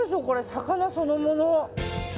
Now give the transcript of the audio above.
魚そのもの。